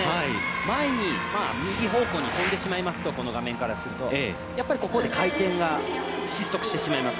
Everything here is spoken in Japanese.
前に右方向に飛んでしまいますとこの画面からすると、やっぱりここで回転が失速してしまいます。